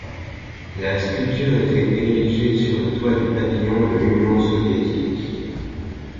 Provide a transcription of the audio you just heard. La sculpture était érigée sur le toit du pavillon de l'Union soviétique.